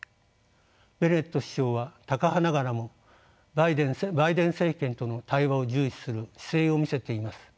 ベネット首相はタカ派ながらもバイデン政権との対話を重視する姿勢を見せています。